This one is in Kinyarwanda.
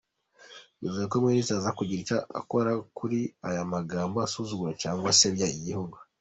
Twizere ko Ministère iza kugira icyo ikora kuri aya magambo asuzuguza cg asebya igihugu